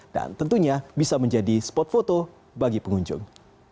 tentunya bisa menjadi spot foto bagi pengunjung